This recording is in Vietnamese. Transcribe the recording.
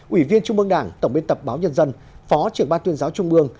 ủy viên trung bương đảng tổng biên tập báo nhân dân phó trưởng ban tuyên giáo trung bương